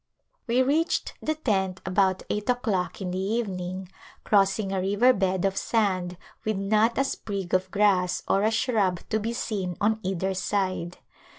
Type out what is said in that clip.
We reached the tent about eight o'clock in the evening, crossing a river bed of sand with not a sprig of grass or a shrub to be seen on either side.